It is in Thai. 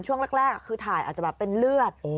ช่วงแรกคือถ่ายอาจจะแบบเป็นเลือด